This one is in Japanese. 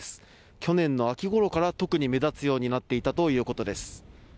去年の秋ごろから特に目立つようになったということです。